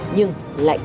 nhưng lại không